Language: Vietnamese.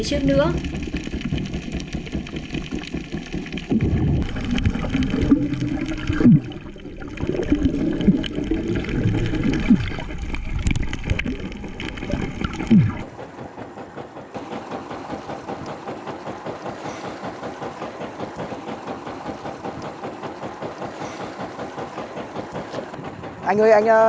cảm ơn anh nhá